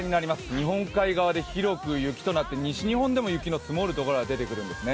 日本海側で広く雪となって、西日本でも雪の積もる所が出てくるんですね。